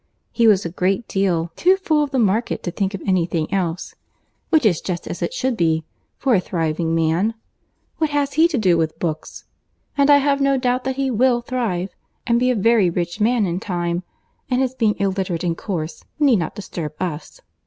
He was a great deal too full of the market to think of any thing else—which is just as it should be, for a thriving man. What has he to do with books? And I have no doubt that he will thrive, and be a very rich man in time—and his being illiterate and coarse need not disturb us."